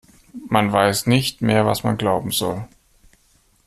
Man weiß nicht mehr, was man glauben soll.